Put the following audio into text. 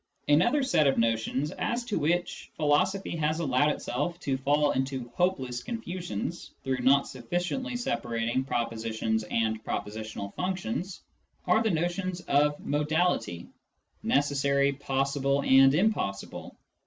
Another set of notions as to which philosophy has allowed itself to fall into hopeless confusions through not sufficiently separating propositions and propositional functions are the notions of " modality ": necessary, possible, and impossible.